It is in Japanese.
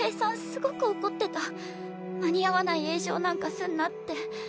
すごく怒ってた間に合わない詠唱なんかすんなって